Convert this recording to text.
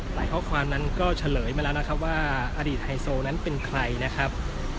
ข้อความนั้นก็เฉลยมาแล้วนะครับว่าอดีตไฮโซนั้นเป็นใครนะครับ